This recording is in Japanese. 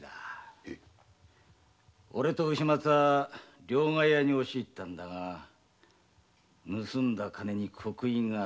おれと牛松は両替屋に押し入ったが盗んだ金に刻印があってな。